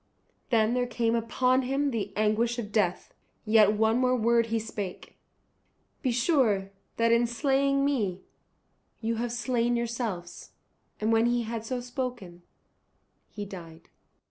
Then there came upon him the anguish of death. Yet one more word he spake, "Be sure that in slaying me you have slain yourselves." And when he had so spoken he died.